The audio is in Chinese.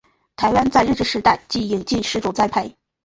台湾在日治时代即引进试种栽培。